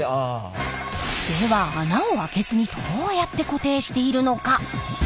では穴をあけずにどうやって固定しているのか？